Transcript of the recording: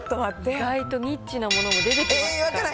意外とニッチなものも出てきましたから。